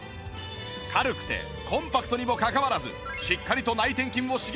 軽くてコンパクトにもかかわらずしっかりと内転筋を刺激！